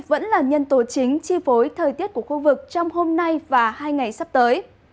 vẫn là nhân tố chính chi phối thời tiết của khu vực trong hôm nay và hai ngày sắp tới